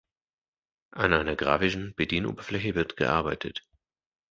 An einer grafischen Bedienoberfläche wird gearbeitet.